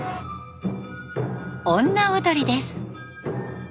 女踊りです。